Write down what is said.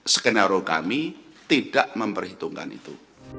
skenario kami tidak memperhitungkan itu